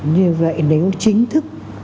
như vậy nếu chính thức